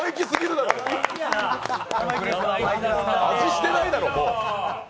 味してないだろ、もう。